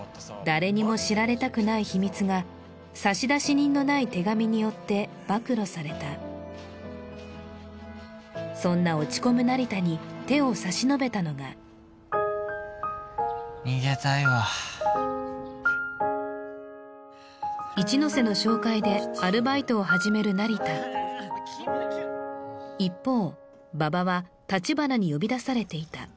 誰にも知られたくない秘密が差出人のない手紙によって暴露されたそんな落ち込む成田に手を差し伸べたのが逃げたいわ一ノ瀬の紹介でアルバイトを始める成田一方馬場は立花に呼び出されていた